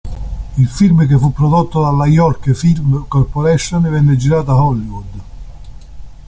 Il film, che fu prodotto dalla Yorke Film Corporation, venne girato a Hollywood.